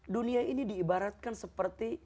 dunia ini diibaratkan seperti